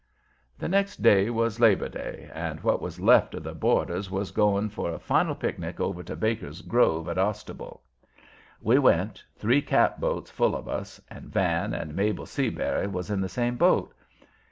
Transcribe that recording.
The next day was Labor Day, and what was left of the boarders was going for a final picnic over to Baker's Grove at Ostable. We went, three catboats full of us, and Van and Mabel Seabury was in the same boat.